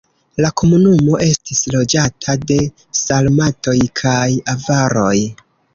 La komunumo estis loĝata de sarmatoj kaj avaroj.